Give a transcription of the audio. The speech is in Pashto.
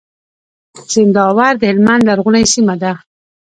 زينداور د هلمند لرغونې سيمه ده.